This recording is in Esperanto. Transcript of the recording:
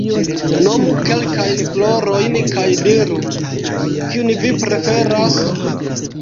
Nomu kelkajn florojn kaj diru, kiun vi preferas?